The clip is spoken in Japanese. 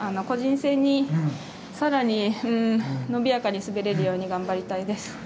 個人戦に更にのびやかに滑れるように頑張りたいです。